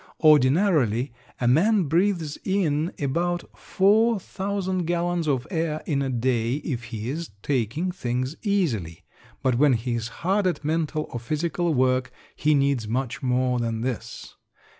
Ordinarily a man breathes in about four thousand gallons of air in a day if he is taking things easily, but when he is hard at mental or physical work he needs much more than this.